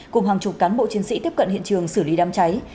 cùng hàng chục cán bộ chiến sĩ tiếp cận hiện trường xử lý đám cháy